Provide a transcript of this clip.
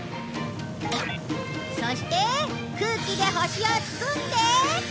そして空気で星を包んで。